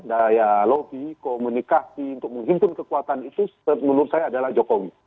daya lobby komunikasi untuk menghimpun kekuatan itu menurut saya adalah jokowi